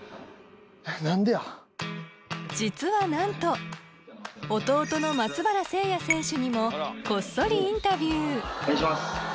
実はなんと弟の松原聖弥選手にもこっそりインタビューお願いします。